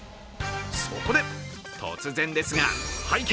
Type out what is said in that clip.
そこで、突然ですが、拝見！